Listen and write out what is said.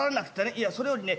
いやそれよりね